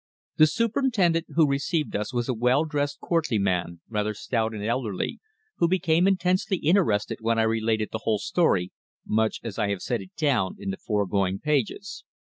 The Superintendent who received us was a well dressed courtly man, rather stout and elderly, who became intensely interested when I related the whole story, much as I have set it down in the foregoing pages.